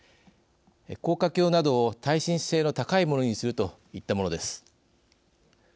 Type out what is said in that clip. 高架橋などを耐震性の高いものにするといったものです。